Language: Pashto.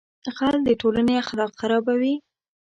غل د ټولنې اخلاق خرابوي